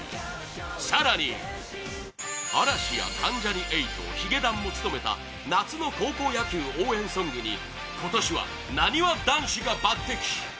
更に嵐や関ジャニ∞ヒゲダンも務めた夏の高校野球応援ソングに今年は、なにわ男子が抜擢！